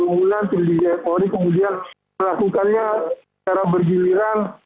kemudian tim dgnri kemudian melakukannya secara bergiliran